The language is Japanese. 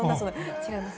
違います。